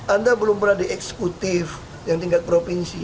anda belum pernah di eksekutif yang tingkat provinsi